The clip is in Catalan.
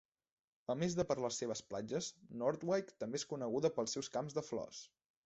A més de per les seves platges, Noordwijk també és coneguda pels seus camps de flors.